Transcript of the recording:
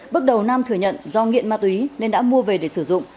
bước đầu nam thừa nhận do nghiện ma túy nên đã mua về để sử dụng